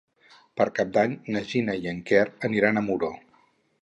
Per Cap d'Any na Gina i en Quer aniran a Muro.